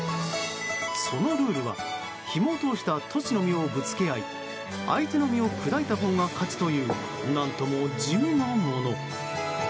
そのルールは、ひもを通したトチの実をぶつけ合い相手の実を砕いたほうが勝ちという何とも地味なもの。